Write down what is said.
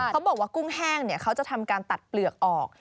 บอกว่ากุ้งแห้งเขาจะทำการตัดเปลือกออก